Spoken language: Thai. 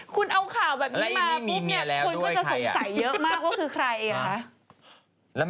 คุณแม่ไหวว่าใครแต่คุณแม่เขียนชื่อบนกระดาษของเรา